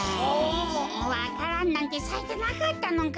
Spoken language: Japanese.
わか蘭なんてさいてなかったのか。